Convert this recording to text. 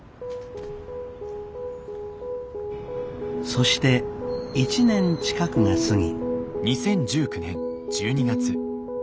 そして１年近くが過ぎ。